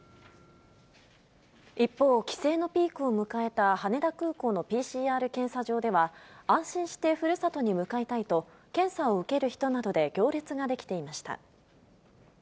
一方、帰省のピークを迎えた羽田空港のＰＣＲ検査場では、安心してふるさとに向かいたいと、検査を受ける人などで行列が出来ていました。